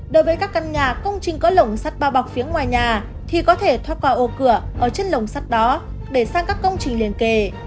đối với các căn nhà công trình có lồng sắt bao bọc phía ngoài nhà thì có thể thoát qua ô cửa ở chất lồng sắt đó để sang các công trình liền kề